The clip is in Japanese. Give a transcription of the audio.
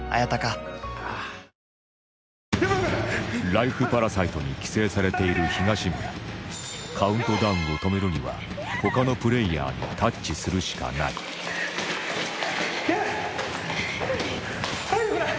ライフパラサイトに寄生されている東村カウントダウンを止めるには他のプレイヤーにタッチするしかない体力ない！